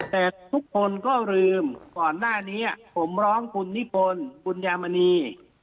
แต่ทุกคนก็ลืมก่อนหน้านี้ผมร้องคุณนิพนธ์บุญยามณี